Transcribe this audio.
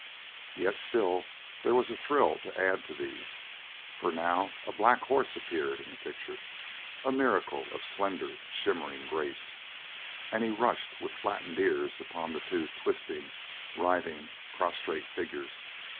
Yet still there was a thrill to add to these, for now a black horse appeared in the picture, a miracle of slender, shimmering grace and he rushed with flattened ears upon the two twisting, writhing, prostrate figures.